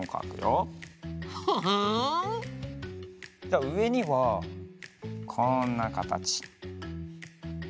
じゃあうえにはこんなかたち。